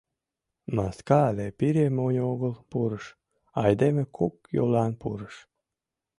Маска але пире монь огыл пурыш — айдеме, кок йолан, пурыш.